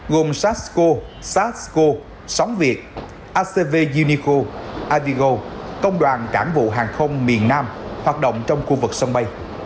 gồm sarsco sarsco sóng việt acv unico adigo công đoàn trảng vụ hàng không miền nam hoạt động trong khu vực sân bay